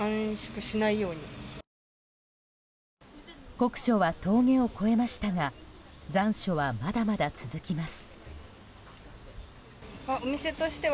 酷暑は峠を越えましたが残暑は、まだまだ続きます。